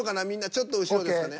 ちょっと後ろですかね。